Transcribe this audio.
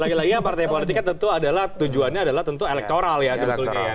lagi lagi partai politiknya tentu adalah tujuannya adalah tentu elektoral ya sebetulnya ya